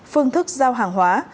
phương thức giao hàng hóa